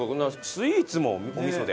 スイーツもお味噌で？